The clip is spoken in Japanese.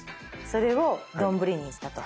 それを丼にしたと。